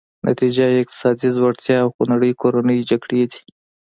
نتیجه یې اقتصادي ځوړتیا او خونړۍ کورنۍ جګړې دي.